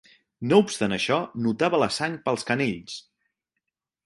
No obstant això, notava la sang pels canells.